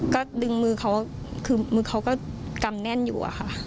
ก็ดึงมือเขาคือมือเขาก็กำแน่นอยู่อะค่ะ